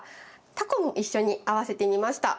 タコも一緒に合わせてみました。